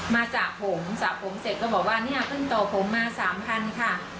มาจากผมสระผมเสร็จก็บอกว่าเนี่ยเพิ่งต่อผมมาสามพันค่ะ